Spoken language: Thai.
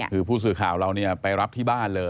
คือผู้สื่อข่าวเราไปรับที่บ้านเลย